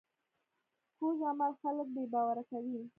کوږ عمل خلک بې باوره کوي